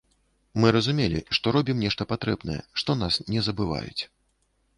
Мы разумелі, што робім нешта патрэбнае, што нас не забываюць.